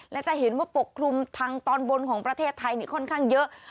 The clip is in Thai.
และจะเห็นว่าปกคลุมทางตอนบนของประเทศไทยค่อนข้างเยอะ